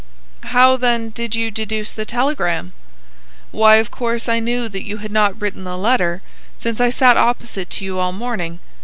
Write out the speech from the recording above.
"How, then, did you deduce the telegram?" "Why, of course I knew that you had not written a letter, since I sat opposite to you all morning.